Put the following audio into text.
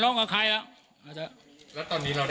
พ่อของสทเปี๊ยกบอกว่า